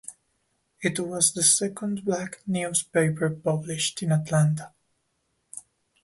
It was the second black newspaper published in Atlanta.